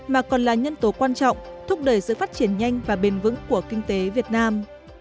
mà còn là nhân tố quan trọng thúc đẩy sự phát triển nhanh và bền vững của kinh tế việt nam